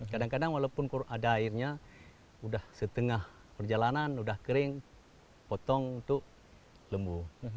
kadang kadang walaupun ada airnya udah setengah perjalanan udah kering potong itu lembu